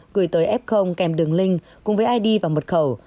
gửi tới f kèm đường link cùng với id và mật khẩu